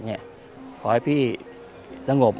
ขอให้พี่สงบ